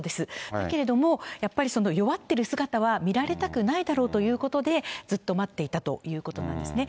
だけれども、やっぱりその、弱ってる姿は見られたくないだろうということで、ずっと待っていたということなんですね。